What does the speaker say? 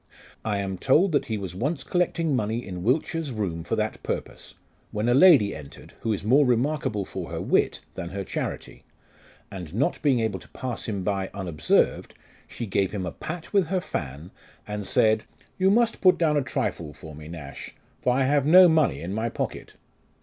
I am told that he was once collecting money in "Wiltshire's room for that purpose, when a lady entered, who is more remarkable for her wit than her charity, and not being able to pass by him unobserved, she gave him a pat with her fan, and said, "You must put down a trifle for me, Nash, for I have no money in my pocket."